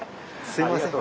すみません。